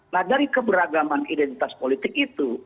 nah dari keberagaman identitas politik itu